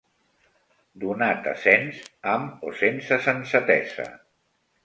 Donat a cens, amb o sense sensatesa.